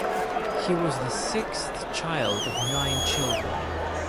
He was the sixth child of nine children.